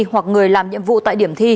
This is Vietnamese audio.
hoặc người làm nhiệm vụ tại điểm thi